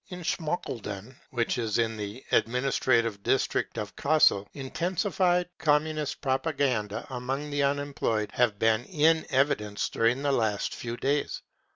In Schmalkalden, which is in the ad ministrative district of Casspl, intensified Communist propaganda among the unemployed has been in evi dence during the last few days.